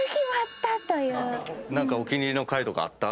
何かお気に入りの回とかあった？